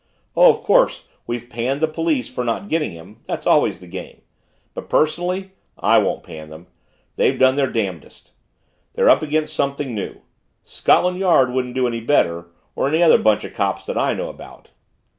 Oh, of course, we've panned the police for not getting him; that's always the game. But, personally, I won't pan them; they've done their damnedest. They're up against something new. Scotland Yard wouldn't do any better or any other bunch of cops that I know about."